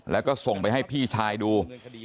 แล้วก็ส่งไปให้พี่ชายดู